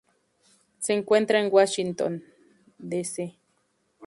Se encuentra en Washington, D. C..